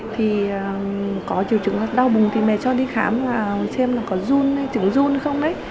thì có triều trứng đau bụng thì mẹ cho đi khám xem là có dung trứng dung không